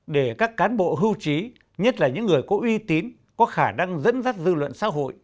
để các cán bộ hưu trí nhất là những người có uy tín có khả năng dẫn dắt dư luận xã hội